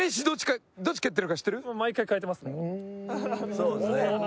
そうですね。